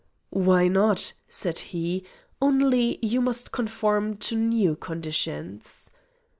"Why not?" said he, "only you must conform to new conditions."